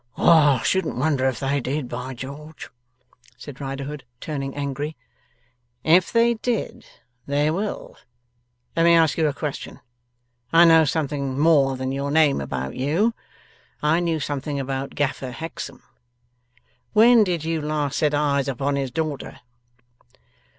'I shouldn't wonder if they did, by George!' said Riderhood, turning angry. 'If they did! They will. Let me ask you a question. I know something more than your name about you; I knew something about Gaffer Hexam. When did you last set eyes upon his daughter?